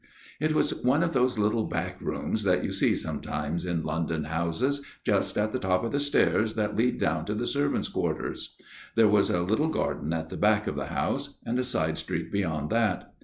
" It was one of those little back rooms that you see sometimes in London houses, just at the top of the stairs that lead down to the servants' quarters. There was a little garden at the back of the house and a side street beyond that.